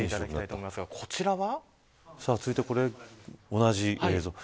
続いて同じ映像。